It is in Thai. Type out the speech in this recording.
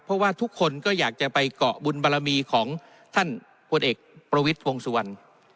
เพราะว่าทุกคนก็อยากจะไปเกาะบุญบารมีของท่านพลเอกประวิทย์วงสุวรรณ